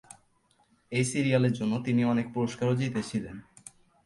এই সিরিয়ালের জন্য তিনি অনেক পুরস্কারও জিতেছিলেন।